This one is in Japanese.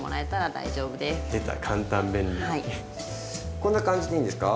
こんな感じでいいんですか？